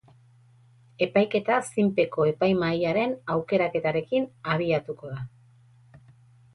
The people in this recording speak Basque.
Epaiketa zinpeko epaimahaiaren aukeraketarekin abiatuko da.